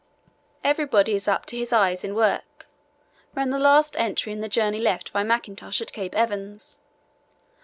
"Everybody is up to his eyes in work," runs the last entry in the journal left by Mackintosh at Cape Evans.